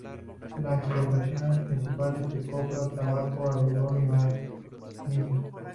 Las exportaciones principales son copra, tabaco, algodón y vainilla.